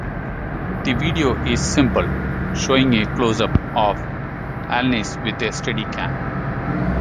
The video is simple, showing a close-up of Alanis with a steady cam.